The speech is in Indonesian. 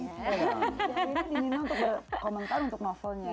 ya ini di nino untuk berkomentar untuk novelnya